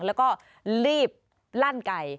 แล้วก็รีบลั่นไก่